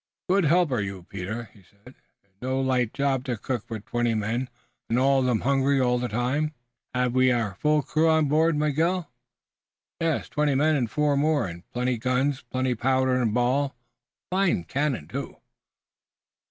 "Good helper, you Peter," he said. "It no light job to cook for twenty men, and all of them hungry all the time." "Have we our full crew on board, Miguel?" "Yes, twenty men and four more, and plenty guns, plenty powder and ball. Fine cannon, too."